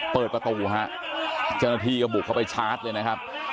เปิดประตูฮะเจ้าหน้าที่ก็บุกเข้าไปชาร์จเลยนะครับ